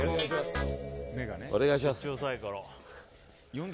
お願いします。